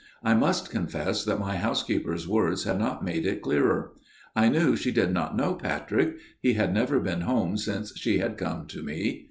I must confess that my housekeeper's words had not made it clearer. I knew she did not know Patrick ; he had never been home since she had come to me.